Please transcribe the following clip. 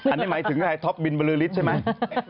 อันนี้หมายถึงท็อปบินบรือริสต์ใช่ไหม